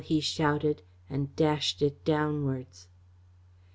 he shouted, and dashed it downwards.